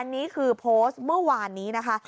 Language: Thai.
อันนี้คือโพสต์เมื่อวานนี้นะคะ